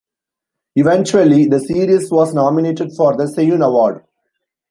Eventually, the series was nominated for the Seiun Award.